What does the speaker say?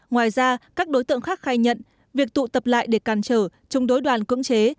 ngoài ra các đối tượng khác khai nhận việc tụ tập lại để càn trở chống đối đoàn cưỡng chế